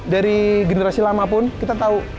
dari generasi lamapun kita tahu